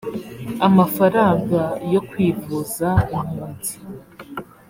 amafaranga yo kwivuza impunzi